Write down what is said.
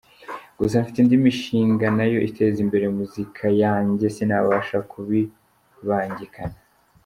Gusa mfite indi mishinga na yo iteza imbere muzika yanjye, sinabasha kubibangikanya.